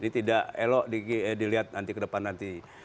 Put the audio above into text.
tidak elok dilihat nanti ke depan nanti